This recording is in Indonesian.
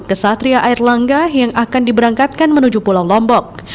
kesatria air langga yang akan diberangkatkan menuju pulau lombok